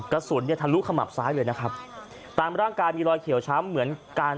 กระสุนเนี่ยทะลุขมับซ้ายเลยนะครับตามร่างกายมีรอยเขียวช้ำเหมือนกัน